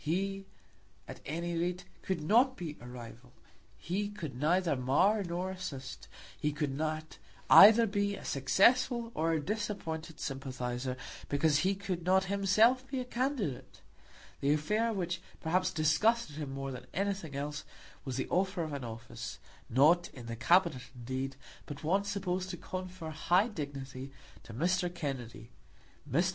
He, at any rate, could not be a rival. He could neither mar nor assist. He could not be either a successful or a disappointed sympathiser, because he could not himself be a candidate. The affair which perhaps disgusted him more than anything else was the offer of an office, not in the Cabinet, indeed, but one supposed to confer high dignity, to Mr. Kennedy. Mr.